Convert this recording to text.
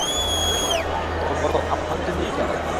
তো, বলো আমায় তুমি কী চাও।